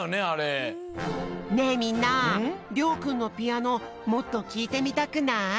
ねえみんなりょうくんのピアノもっときいてみたくない？